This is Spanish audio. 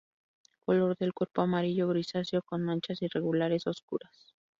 Color del cuerpo amarillo grisáceo con manchas irregulares oscuras.